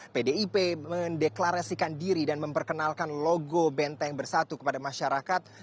pdip mendeklarasikan diri dan memperkenalkan logo benteng bersatu kepada masyarakat